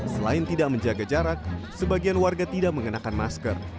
selain tidak menjaga jarak sebagian warga tidak mengenakan masker